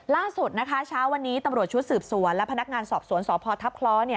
ล่าสุดนะคะเช้าวันนี้ตำรวจชุดสืบสวนและพนักงานสอบสวนสพทัพคล้อ